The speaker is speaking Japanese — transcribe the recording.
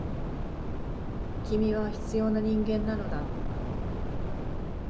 君は必要な人間なのだ。